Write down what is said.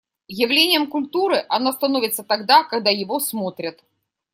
Явлением культуры оно становится тогда, когда его смотрят.